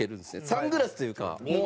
サングラスというか。